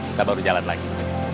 kita baru jalan lagi